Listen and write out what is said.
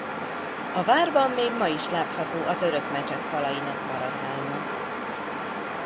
A várban még ma is látható a török mecset falainak maradványa.